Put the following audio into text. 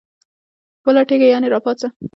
ولټیږه ..یعنی را پاڅه